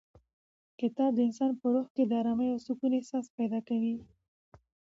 کتاب د انسان په روح کې د ارامۍ او سکون احساس پیدا کوي.